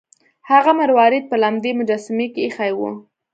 هغه مروارید په لمدې مجسمې کې ایښی و.